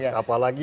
iya harus apalagi